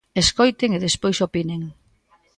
¡Escoiten e despois opinen!